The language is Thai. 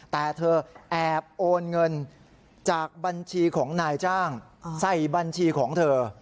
แต่เธอแอบโอนเงินจากบัญชีของนายจ้างใส่บัญชีของเธอ